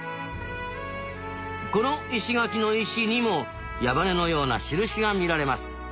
この石垣の石にも矢羽根のような印が見られます。